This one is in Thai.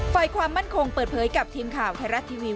ฝ่ายความมั่นคงเปิดเผยกับทีมข่าวไทยรัฐทีวี